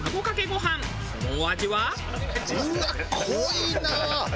うわっ濃いな！